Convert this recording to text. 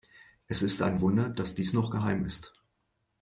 Es ist ein Wunder, dass dies noch geheim ist.